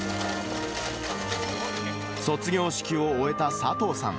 卒業式を終えた佐藤さん。